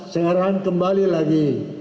seheran kembali lagi